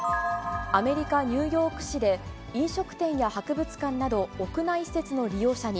アメリカ・ニューヨーク市で、飲食店や博物館など、屋内施設の利用者に、